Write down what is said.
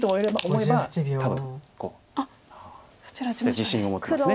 自信を持ってます。